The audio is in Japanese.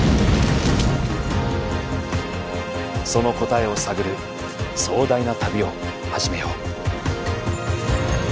その答えを探る壮大な旅を始めよう。